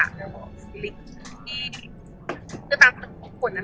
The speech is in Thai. คลิปที่ตามเป็นทุกคนนะครับ